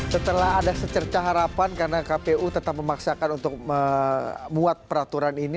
setelah ada secerca harapan karena kpu tetap memaksakan untuk memuat peraturan ini